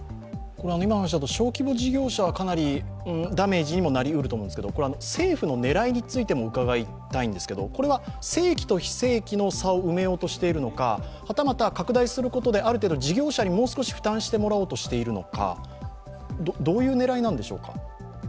小規模事業者はかなりダメージになると思うんですけれども政府の狙いについても伺いたいんですけど正規と非正規の差を埋めようとしているのか、あるいは拡大して事業者にもう少し負担してもらおうとしているのかどういう狙いなんでしょうか？